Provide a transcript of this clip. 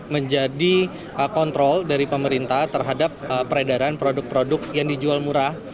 menjadi kontrol dari pemerintah terhadap peredaran produk produk yang dijual murah